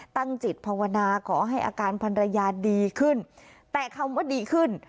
ตั้งจิตภาวนาขอให้อาการพันรยาดีขึ้นแต่คำว่าดีขึ้น